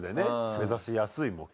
目指しやすい目標。